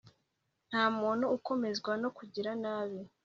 nta muntu ukomezwa no kugira nabi